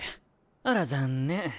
あら残念。